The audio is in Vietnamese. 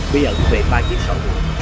bí ẩn về ba chiếc sổ